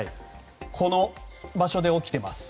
この場所で起きてます。